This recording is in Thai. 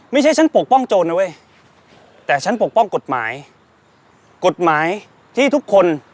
ไม่ใช่ฉันปกป้องโจรนะเว้ยแต่ฉันปกป้องกฎหมายกฎหมายกฎหมายที่ทุกคน